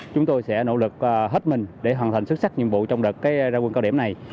chúng tôi sẽ nỗ lực hết mình để hoàn thành xuất sắc nhiệm vụ trong đợt ra quân cao điểm này